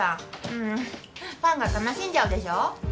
ううんファンが悲しんじゃうでしょ？